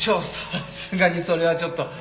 さすがにそれはちょっと。